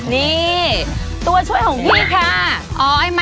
นี่ตัวช่วยของพี่ค่ะ